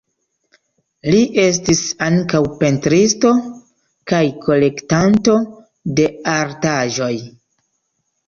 Li estis ankaŭ pentristo kaj kolektanto de artaĵoj.